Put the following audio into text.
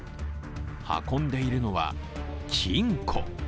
運んでいるのは、金庫。